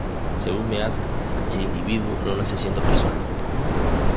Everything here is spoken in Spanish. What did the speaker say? Según Mead, el individuo no nace siendo persona.